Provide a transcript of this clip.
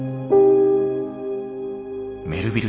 メルヴィル